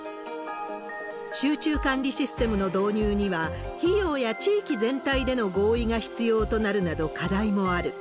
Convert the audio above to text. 集中管理システムの導入には、費用や地域全体での合意が必要となるなど、課題もある。